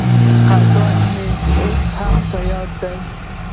خپګان مي اوس هم په یاد دی.